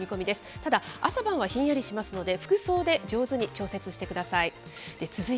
ただ、朝晩はひんやりしますので、服装で上手に調節してください。